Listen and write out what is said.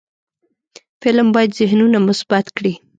فلم باید ذهنونه مثبت کړي